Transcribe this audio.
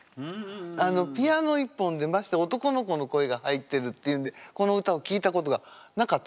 ピアノ一本でまして男の子の声が入ってるっていうんでこの歌を聴いたことがなかった。